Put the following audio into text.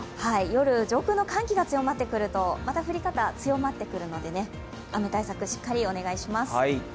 夜、上空の寒気が強まってくるとまた降り方、強まってくるので雨対策、しっかりお願いします。